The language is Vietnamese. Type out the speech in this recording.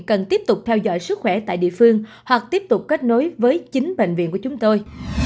cần tiếp tục theo dõi sức khỏe tại địa phương hoặc tiếp tục kết nối với chính bệnh viện của chúng tôi